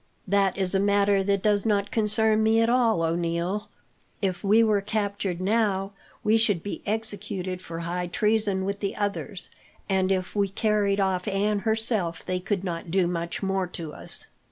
"That is a matter that does not concern me at all, O'Neil. If we were captured now, we should be executed for high treason with the others; and if we carried off Anne herself, they could not do much more to us.